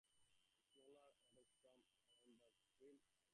Smaller osteoderms adorn the frill edge.